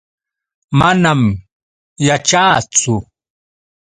Manam yaćhaachu.